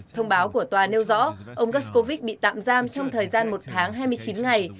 thông báo của tòa nêu rõ ông gascow bị tạm giam trong thời gian một tháng hai mươi chín ngày